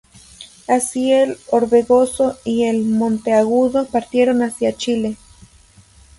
Así, el "Orbegozo" y el "Monteagudo" partieron hacia Chile.